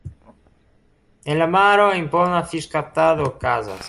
En la maro impona fiŝkaptado okazas.